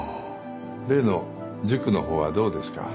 例の塾のほうはどうですか？